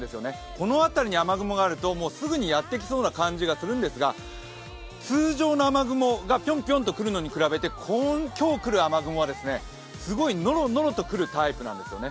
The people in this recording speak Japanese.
この辺りに雨雲があると、すぐにやってきそうな感じがするんですが、通常の雨雲がぴょんぴょんとくるのに比べて、今日来る雨雲は、すごくノロノロと来るタイプなんですよね。